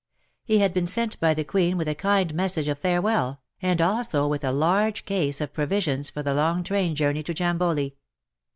He had been sent by the Queen with a kind message of farewell, and also with a large case of provisions for the long train journey to Jamboli.